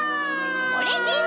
これです。